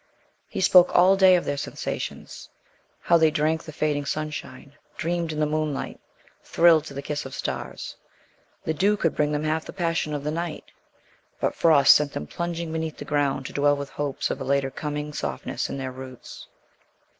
He spoke all day of their sensations: how they drank the fading sunshine, dreamed in the moonlight, thrilled to the kiss of stars. The dew could bring them half the passion of the night, but frost sent them plunging beneath the ground to dwell with hopes of a later coming softness in their roots.